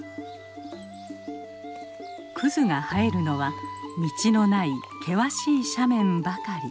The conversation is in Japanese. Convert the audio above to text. クズが生えるのは道のない険しい斜面ばかり。